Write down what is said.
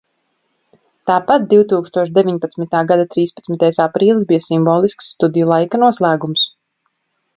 Tāpat divtūkstoš deviņpadsmitā gada trīspadsmitais aprīlis bija simbolisks studiju laika noslēgums.